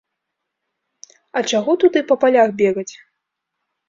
А чаго туды па палях бегаць?